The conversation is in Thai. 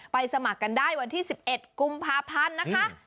สมัครกันได้วันที่๑๑กุมภาพันธ์นะคะ